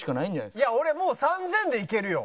いや俺もう３０００でいけるよ。